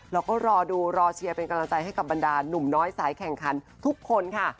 รอดูรอเชียร์เป็นกำลังใจให้กับบรรดาหนุ่มน้อยสายแข่งขันทุกคนค่ะ